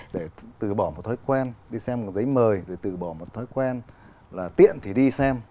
để từ bỏ một thói quen đi xem một giấy mời rồi từ bỏ một thói quen là tiện thì đi xem